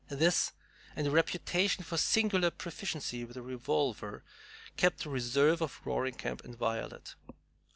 This, and a reputation for singular proficiency with the revolver, kept the reserve of Roaring Camp inviolate.